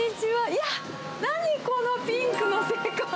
いや、何このピンクの世界。